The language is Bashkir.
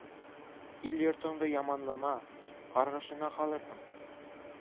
Ил-йортоңдо яманлама, ҡарғышына ҡалырһың.